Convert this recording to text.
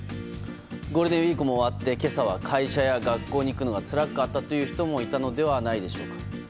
ゴールデンウィークも終わって今朝は会社や学校に行くのがつらかったという人もいたのではないでしょうか。